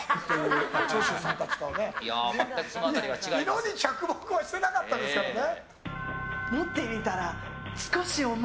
色に着目はしてなかったでしょうね。